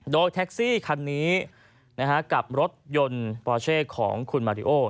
โดยแท็กซี่คันนี้กับรถยนต์ปอเช่ของคุณมาริโอ